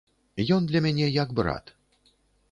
Ён для мяне як брат.